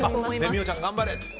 美桜ちゃん、頑張れ！